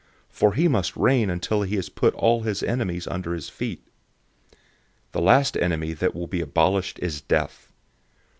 015:025 For he must reign until he has put all his enemies under his feet. 015:026 The last enemy that will be abolished is death.